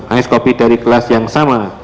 ais kopi dari kelas yang sama